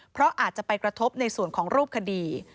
เพราะอาจจะไปกระทบในส่วนของรูปคดี